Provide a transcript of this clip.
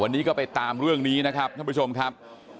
วันนี้ก็ไปตามเรื่องนี้นะครับท่านผู้ชมครับ